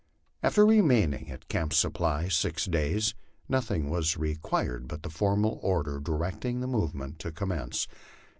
After remaining at Camp Supply six days, nothing was required but the formal order directing the movement to commence.